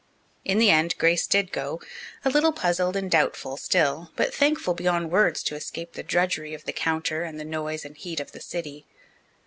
In the end, Grace did go, a little puzzled and doubtful still, but thankful beyond words to escape the drudgery of the counter and the noise and heat of the city.